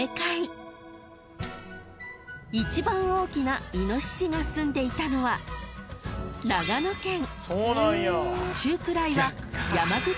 ［一番大きなイノシシがすんでいたのは］［中くらいは］